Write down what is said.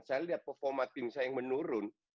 saya lihat performa tim saya yang menurun